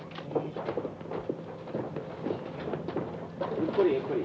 ゆっくりゆっくり。